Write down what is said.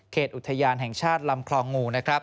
เขตอุทยานแห่งชาติลำคลองงู